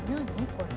これ。